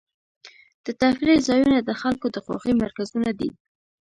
د تفریح ځایونه د خلکو د خوښۍ مرکزونه دي.